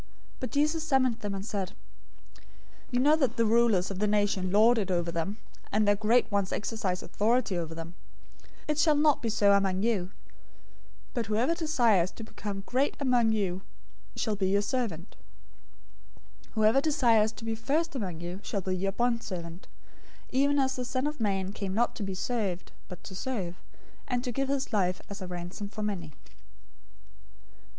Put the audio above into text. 020:025 But Jesus summoned them, and said, "You know that the rulers of the nations lord it over them, and their great ones exercise authority over them. 020:026 It shall not be so among you, but whoever desires to become great among you shall be{TR reads "let him be" instead of "shall be"} your servant. 020:027 Whoever desires to be first among you shall be your bondservant, 020:028 even as the Son of Man came not to be served, but to serve, and to give his life as a ransom for many."